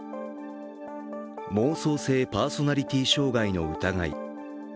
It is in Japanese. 妄想性パーソナリティ障害の疑い。